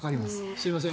すみません